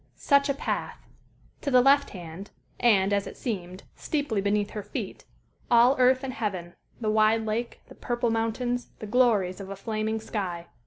Such a path! To the left hand, and, as it seemed, steeply beneath her feet, all earth and heaven the wide lake, the purple mountains, the glories of a flaming sky.